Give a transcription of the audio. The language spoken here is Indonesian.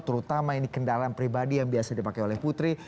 terutama ini kendaraan pribadi yang biasa dipakai oleh putri